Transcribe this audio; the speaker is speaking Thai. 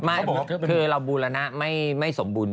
ไม่คือเราบูรณะไม่สมบูรณ